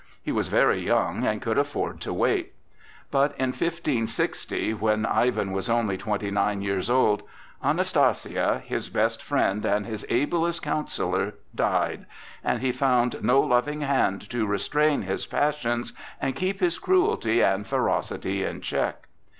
He was very young, and could afford to wait. But in 1560, when Ivan was only twenty nine years old, Anastasia, his best friend and his ablest counsellor, died, and he found no loving hand to restrain his passions and keep his cruelty and ferocity in check.